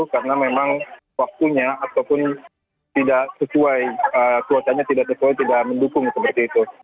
karena memang waktunya ataupun tidak sesuai cuacanya tidak sesuai tidak mendukung seperti itu